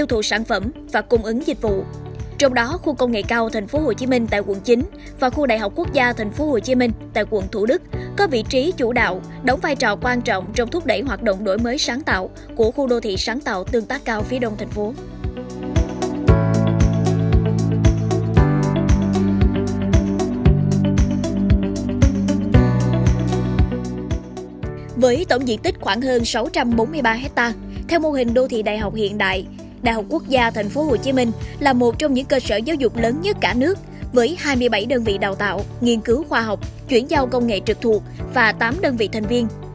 theo mô hình đô thị đại học hiện đại đại học quốc gia tp hcm là một trong những cơ sở giáo dục lớn nhất cả nước với hai mươi bảy đơn vị đào tạo nghiên cứu khoa học chuyển giao công nghệ trực thuộc và tám đơn vị thành viên